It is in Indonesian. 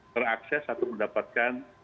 terakses atau mendapatkan